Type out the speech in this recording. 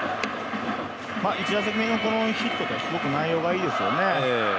１打席目のこのヒットは内容がいいですよね。